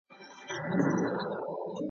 بیا مجبور یې د ویزو یم